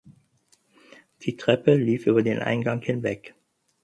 Die Treppe lief über den Eingang hinweg.